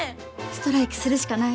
ストライキするしかない。